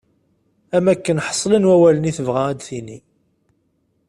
Am wakken ḥeslen wawalen i tebɣa ad d-tini.